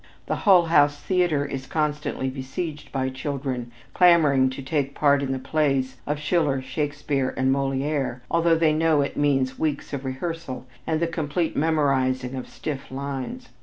The Hull House Theater is constantly besieged by children clamoring to "take part" in the plays of Schiller, Shakespeare, and Molière, although they know it means weeks of rehearsal and the complete memorizing of "stiff" lines.